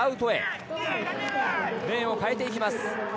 レーンを変えていきます。